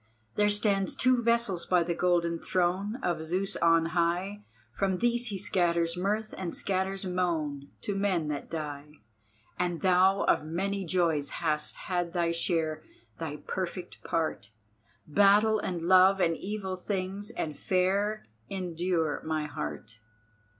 There stand two vessels by the golden throne Of Zeus on high, From these he scatters mirth and scatters moan, To men that die. And thou of many joys hast had thy share, Thy perfect part; Battle and love, and evil things and fair; Endure, my heart!